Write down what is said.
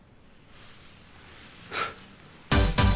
フッ。